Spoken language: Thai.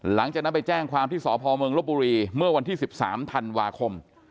หลังจากนั้นไปแจ้งความที่สพเมืองลบบุรีเมื่อวันที่๑๓ธันวาคม